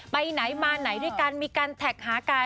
ไปไหนมาไหนด้วยกันมีการแท็กหากาย